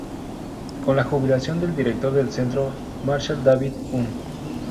Con la jubilación del director del centro Marshall David Un.